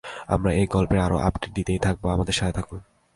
আমরা এই গল্পের আরও আপডেট দিতেই থাকবো আমাদের সাথেই থাকুন।